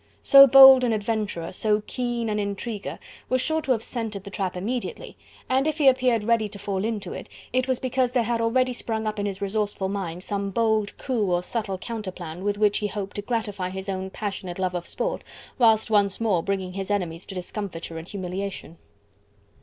So bold an adventurer, so keen an intriguer was sure to have scented the trap immediately, and if he appeared ready to fall into it, it was because there had already sprung up in his resourceful mind some bold coup or subtle counterplan, with which he hoped to gratify his own passionate love of sport, whilst once more bringing his enemies to discomfiture and humiliation.